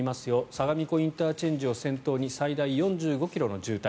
相模湖ＩＣを先頭に最大４５ｋｍの渋滞。